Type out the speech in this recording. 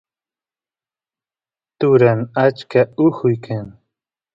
turat achka ujuy kan